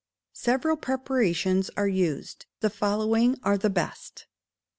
Several preparations are used; the following are the best: i.